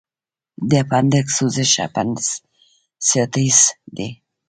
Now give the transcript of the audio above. د اپنډکس سوزش اپنډیسایټس دی.